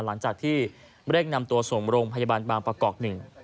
หลังจากที่ไม่ได้นำตัวส่งลงพยาบาลบางประกอบ๑